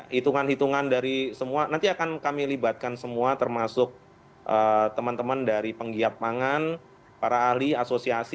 hitungan hitungan dari semua nanti akan kami libatkan semua termasuk teman teman dari penggiat pangan para ahli asosiasi